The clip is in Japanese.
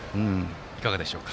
いかがでしょうか。